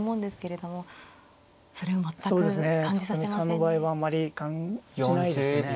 里見さんの場合はあんまり感じないですね。